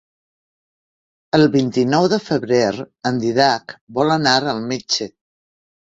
El vint-i-nou de febrer en Dídac vol anar al metge.